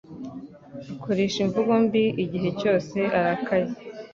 Akoresha imvugo mbi igihe cyose arakaye